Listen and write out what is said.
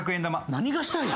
何がしたいん？